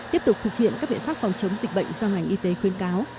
tiếp tục thực hiện các biện pháp phòng chống dịch bệnh do ngành y tế khuyên cáo